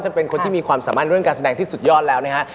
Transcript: จะเป็นความสามารถเรื่องการแสดงที่สุดยอดแล้วนะคระ